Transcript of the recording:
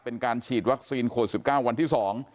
เป็นการฉีดวัคซีนโควิด๑๙วันที่๒